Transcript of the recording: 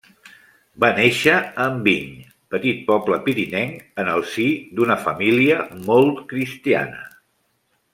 Va néixer a Enviny, petit poble pirinenc, en el si d'una família molt cristiana.